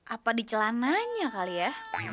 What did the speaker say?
apa di celananya kali ya